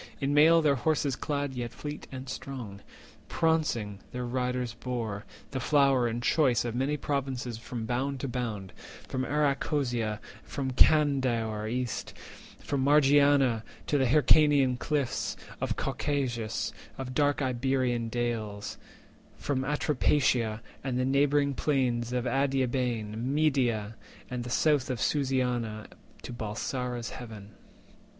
In mail their horses clad, yet fleet and strong, Prauncing their riders bore, the flower and choice Of many provinces from bound to bound— From Arachosia, from Candaor east, And Margiana, to the Hyrcanian cliffs Of Caucasus, and dark Iberian dales; From Atropatia, and the neighbouring plains Of Adiabene, Media, and the south 320 Of Susiana, to Balsara's haven.